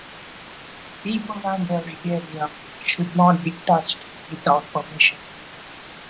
People and their regalia should not be touched without permission.